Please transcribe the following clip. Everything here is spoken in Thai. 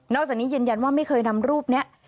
จากนี้ยืนยันว่าไม่เคยนำรูปนี้